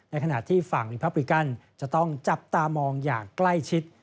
ขณะที่ฝั่งลิพับริกันจะต้องจับตามองอย่างใกล้ชิด